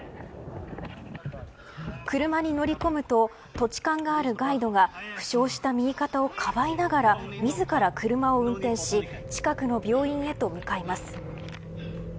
車に乗り込むと土地勘があるガイドが負傷した右肩をかばいながら自ら、車を運転し近くの病院へと向かいます。